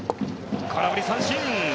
空振り三振！